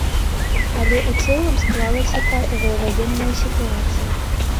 Але ў цэлым склалася патавая ваенная сітуацыя.